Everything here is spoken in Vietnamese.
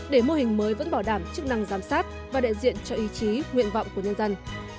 để mô hình mới vẫn bảo đảm chức năng giám sát và đại diện cho ý chí nguyện vọng của nhân dân